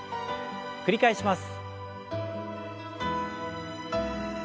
繰り返します。